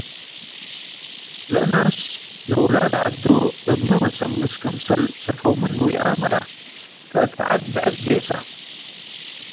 ለእናስ ለውላድ ዐዱ እብ ሚ ምስምሰ ክምሰል ሰከው ምኑ ይኣመረ ከእት ዐድ ብዕድ ጌሰ።